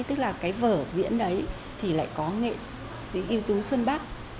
tức là cái vở diễn đấy thì lại có nghệ sĩ ưu tú xuân bắc